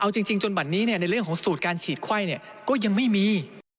เอาจริงจนบัดนี้ในเรื่องของสูตรการฉีดไข้ก็ยังไม่มี